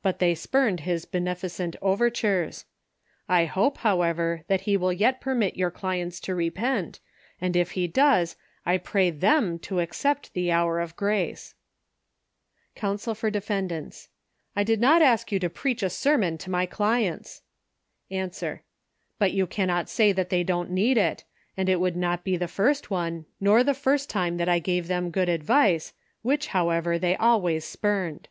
but they spurned his beneficent overtures. 1 liope, however, that he will yet permit your clients to repent, and if he does, I pray them to accept the hour of grace. C. for B's.—l did not ask you to preach a sermon to my clients. ^.— But you cannot say tliat they don't need it, and it would not be the first one, nor the first time that I gave them good advice, which, however, they always spurned.